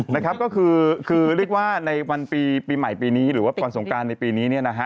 นะครับก็คือคือเรียกว่าในวันปีใหม่ปีนี้หรือว่าวันสงการในปีนี้เนี่ยนะฮะ